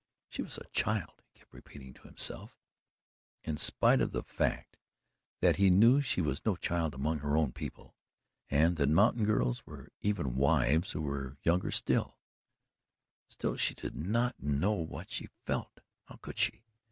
She was a child, he kept repeating to himself, in spite of the fact that he knew she was no child among her own people, and that mountain girls were even wives who were younger still. Still, she did not know what she felt how could she?